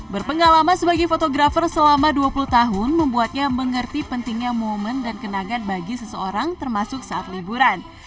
berpengalaman sebagai fotografer selama dua puluh tahun membuatnya mengerti pentingnya momen dan kenangan bagi seseorang termasuk saat liburan